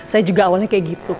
saya juga awalnya seperti itu